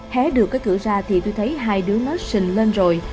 hé được cái cửa ra thì tôi thấy hai đứa nó xình lên rồi